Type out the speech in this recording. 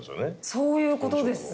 そういうことですよね